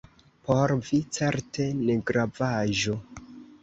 Por vi certe negravaĵo!